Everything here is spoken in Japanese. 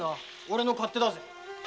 おれの勝手だぜ。